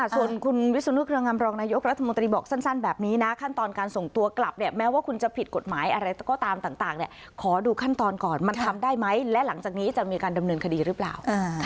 ส่วนคุณวิสุนุเครืองามรองนายกรัฐมนตรีบอกสั้นแบบนี้นะขั้นตอนการส่งตัวกลับเนี่ยแม้ว่าคุณจะผิดกฎหมายอะไรก็ตามต่างขอดูขั้นตอนก่อนมันทำได้ไหมและหลังจากนี้จะมีการดำเนินคดีหรือเปล่า